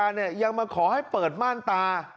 คนภรรยาเนี่ยยังมาขอให้เปิดม่านตา